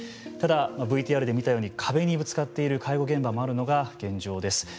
ただＶＴＲで見たように壁にぶつかっている介護現場もあるのが現状です。